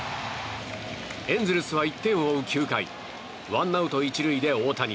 エンゼルスは１点を追う９回ワンアウト１塁で大谷。